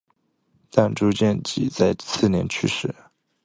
但朱见济在次年去世。